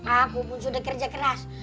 aku pun sudah kerja keras